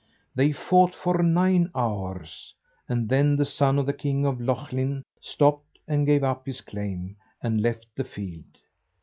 They fought for nine hours; and then the son of the king of Lochlin stopped, gave up his claim, and left the field.